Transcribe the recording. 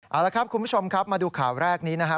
เอาละครับคุณผู้ชมครับมาดูข่าวแรกนี้นะครับ